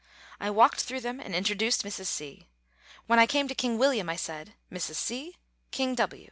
I walked through them and introduced Mrs. C. When I came to King William I said, "Mrs. C. King W.